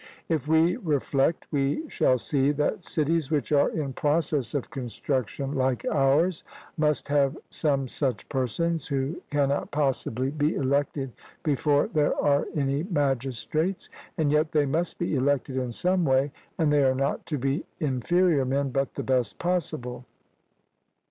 If we reflect, we shall see that cities which are in process of construction like ours must have some such persons, who cannot possibly be elected before there are any magistrates; and yet they must be elected in some way, and they are not to be inferior men, but the best possible.